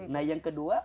nah yang kedua